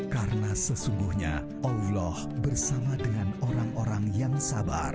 karena sesungguhnya allah bersama dengan orang orang yang sabar